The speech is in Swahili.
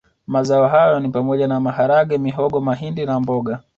Mazao hayo ni pamoja na maharage mihogo mahindi na mboga